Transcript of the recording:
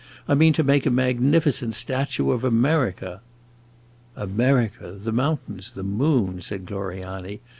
I mean to make a magnificent statue of America!" "America the Mountains the Moon!" said Gloriani.